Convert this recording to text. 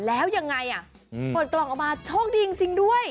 แล้วยังไงเปิดกล่องออกมาโชคดีจริงด้วย